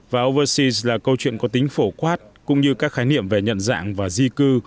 và overseas là câu chuyện có tính phổ quát cũng như các khái niệm về nhận dạng và di cư